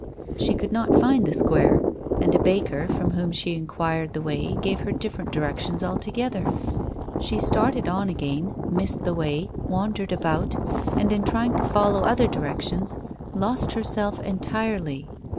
She could not find the square, and a baker from whom she inquired the way gave her different directions altogether. She started on again, missed the way, wandered about, and in trying to follow other directions, lost herself entirely.